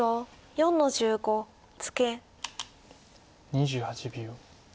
２８秒。